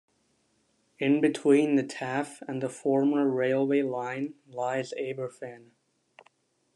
In between the Taff and the former railway line lies Aberfan.